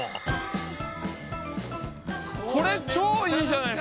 これ超いいじゃないですか！